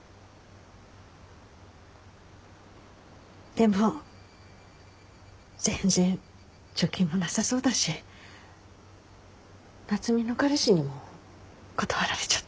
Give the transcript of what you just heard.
でも全然貯金もなさそうだし夏海の彼氏にも断られちゃったし。